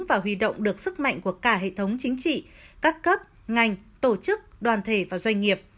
và huy động được sức mạnh của cả hệ thống chính trị các cấp ngành tổ chức đoàn thể và doanh nghiệp